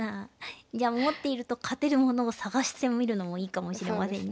じゃあ持っていると勝てるものを探してみるのもいいかもしれませんね。